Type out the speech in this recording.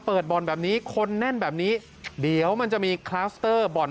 บ่อนแบบนี้คนแน่นแบบนี้เดี๋ยวมันจะมีคลัสเตอร์บ่อน